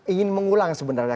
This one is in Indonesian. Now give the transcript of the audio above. ingin mengulang sebenarnya